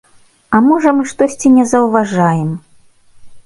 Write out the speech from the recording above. А можа мы штосьці не заўважаем?